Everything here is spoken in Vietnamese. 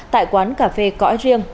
tại quán cà phê cõi riêng